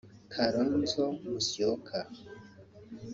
Kalonzo Musyoka